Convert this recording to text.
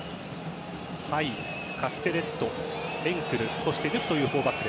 ファイ、カステレット、エンクルそしてヌフという４バック。